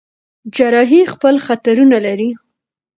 جراحي خپل خطرونه لري.